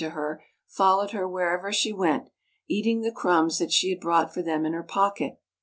to her followed her wherever she went, eating the crumbs that she had brought for them in her pocket.